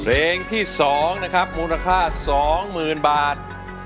เพลงที่๒นะครับมูลค่า๒๐๐๐บาท